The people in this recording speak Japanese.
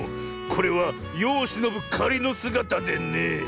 これはよをしのぶかりのすがたでね。